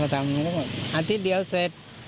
อเทียดเดียวเศษ